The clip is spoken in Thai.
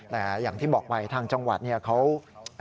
แต่อย่างที่บอกไปทางจังหวัดเขา